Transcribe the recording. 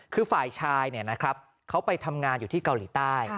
คือฝ่ายชายเขาไปทำงานอยู่ที่เกาหลีใต้